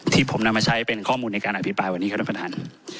ที่ผมนำมาใช้เป็นข้อมูลในการอภิปรายวันนี้ครับท่านประธาน